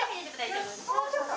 もうちょっと！